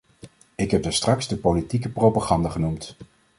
Ik heb daarstraks de politieke propaganda genoemd.